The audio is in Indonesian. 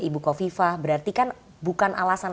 ibu kofifa berarti kan bukan alasan